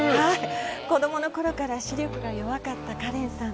子供のころから視力が弱かったカレンさん。